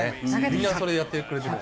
みんなそれやってくれている。